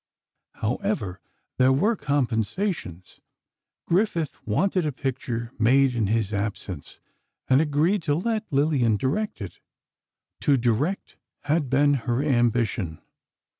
However, there were compensations: Griffith wanted a picture made in his absence, and agreed to let Lillian direct it. To direct had been her ambition.